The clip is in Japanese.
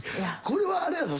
これはあれやぞ？